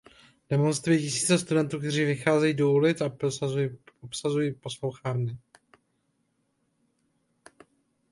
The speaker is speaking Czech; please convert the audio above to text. Demonstrují tisíce studentů, kteří vycházejí do ulic a obsazují posluchárny.